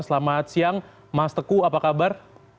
selamat siang mas teguh apa kabar